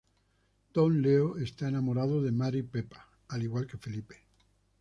Don Leo está enamorado de Mary Pepa, al igual que Felipe.